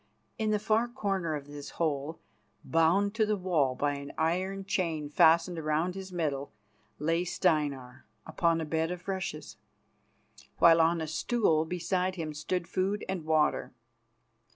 In the far corner of this hole, bound to the wall by an iron chain fastened round his middle, Steinar lay upon a bed of rushes, while on a stool beside him stood food and water.